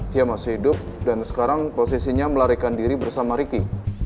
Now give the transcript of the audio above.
dia masih hidup dan sekarang posisinya melarikan diri bersama ricky